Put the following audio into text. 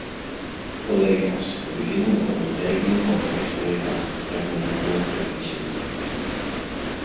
Collega's, we beginnen met de ondertekening van de rechtsregels betreffende het burgerinitiatief.